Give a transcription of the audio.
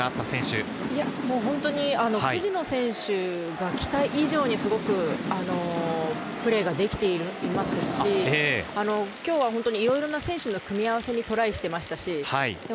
本当に藤野選手が期待以上にすごくプレーができていますし、今日は本当にいろいろな選手の組み合わせにトライしていました。